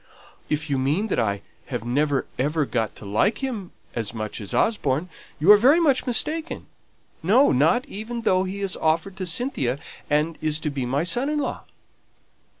"If you mean that I have ever got to like him as much as Osborne, you are very much mistaken; no, not even though he has offered to Cynthia, and is to be my son in law."